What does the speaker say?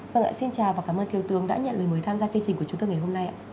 vâng ạ xin chào và cảm ơn thiều tướng đã nhận lời mời tham gia chương trình của chúng tôi ngày hôm nay